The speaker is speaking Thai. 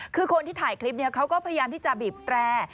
คือคนที่ถ่ายคลิปนี้เขาก็พยายามที่จะบีบแตร